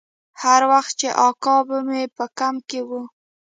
هر وخت چې اکا به مې په کمپ کښې و.